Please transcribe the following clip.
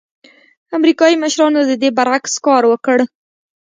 امریکايي مشرانو د دې برعکس کار وکړ.